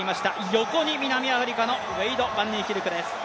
横に南アフリカのウェイド・バンニーキルクです。